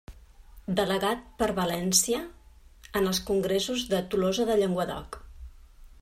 Delegat per València en els Congressos de Tolosa de Llenguadoc.